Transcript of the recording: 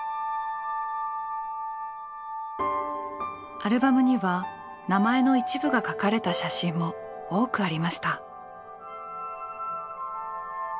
アルバムには名前の一部が書かれた写真も多くありました。